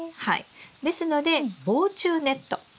ですので防虫ネット。